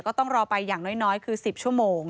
ก็ต้องรอไปอย่างน้อยคือ๑๐ชั่วโมง